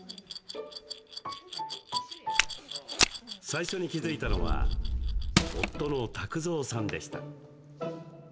最初に気付いたのは夫の卓蔵さんでした。